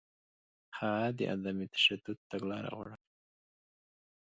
هغه د عدم تشدد تګلاره غوره کړه.